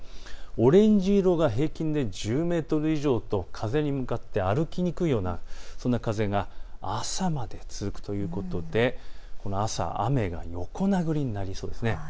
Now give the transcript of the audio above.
オレンジ色が平均で１０メートル以上と風に向かって歩きにくいような風が朝まで続くということで朝、雨が横殴りになりそうです。